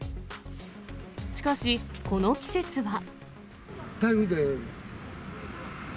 しかし、この季節は。